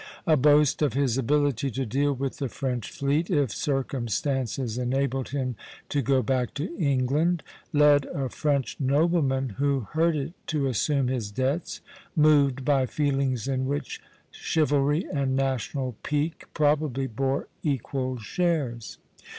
A boast of his ability to deal with the French fleet, if circumstances enabled him to go back to England, led a French nobleman who heard it to assume his debts, moved by feelings in which chivalry and national pique probably bore equal shares.